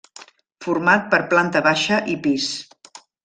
Format per planta baixa i pis.